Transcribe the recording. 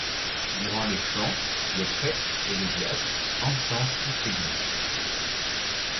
Durant le chant, le prêtre et le diacre encensent toute l'église.